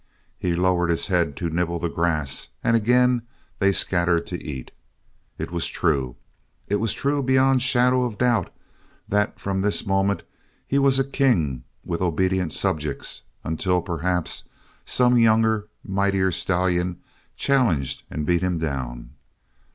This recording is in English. He lowered his head to nibble the grass and again they scattered to eat. It was true. It was true beyond shadow of doubt that from this moment he was a king with obedient subjects until, perhaps, some younger, mightier stallion challenged and beat him down.